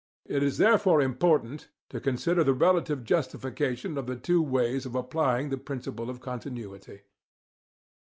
It is therefore important to consider the relative justification of the two ways of applying the principle of continuity.